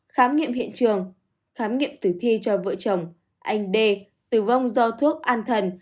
khám nghiệm hiện trường khám nghiệm tử thi cho vợ chồng anh đê tử vong do thuốc an thần